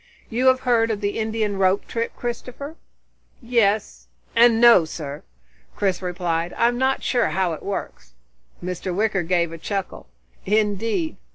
"You have heard of the Indian rope trick, Christopher?" "Yes and no, sir," Chris replied. "I'm not sure how it works." Mr. Wicker gave a chuckle. "Indeed?